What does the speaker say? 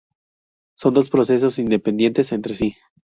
Son dos procesos independientes entre sí.